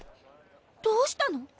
どうしたの？